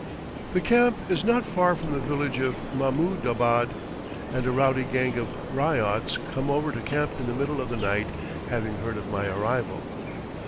The camp is not far from the village of Mahmoudabad, and a rowdy gang of ryots come over to camp in the middle of the night, having heard of my arrival.